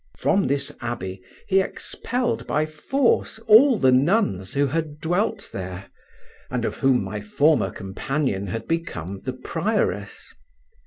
From this abbey he expelled by force all the nuns who had dwelt there, and of whom my former companion had become the prioress.